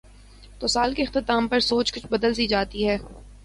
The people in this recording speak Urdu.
تو سال کے اختتام پر سوچ کچھ بدل سی جاتی ہے۔